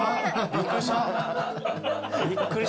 びっくりした。